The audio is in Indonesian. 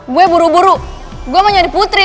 gue buru buru gue mau jadi putri